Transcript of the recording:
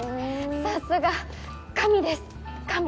さすが神です神。